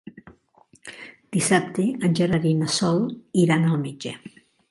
Dissabte en Gerard i na Sol iran al metge.